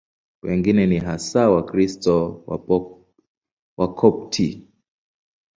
Wengine ni hasa Wakristo Wakopti.